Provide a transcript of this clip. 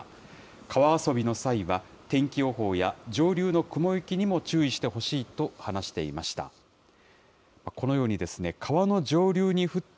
川遊びの際は、天気予報や上流の雲行きにも注意してほしいと話していました。